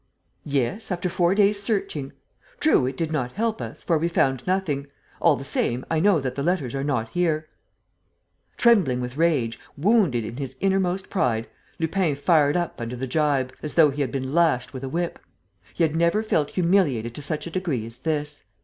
"Yes, after four days' searching. True, it did not help us, for we found nothing. All the same, I know that the letters are not here." Trembling with rage, wounded in his innermost pride, Lupin fired up under the gibe, as though he had been lashed with a whip. He had never felt humiliated to such a degree as this.